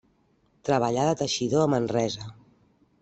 Treballà de teixidor a Manresa.